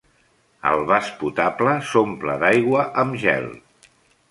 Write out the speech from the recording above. El vas potable s'omple d'aigua amb gel.